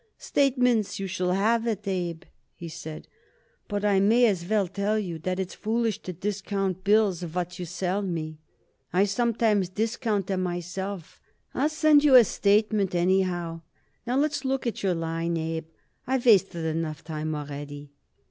"Statements you shall have it, Abe," he said, "but I may as well tell you that it's foolish to discount bills what you sell me. I sometimes discount them myself. I'll send you a statement, anyhow. Now let's look at your line, Abe. I wasted enough time already."